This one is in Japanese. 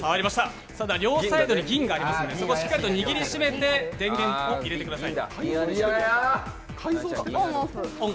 両サイドに銀がありますのでそこをしっかり握りしめて電源を入れてください。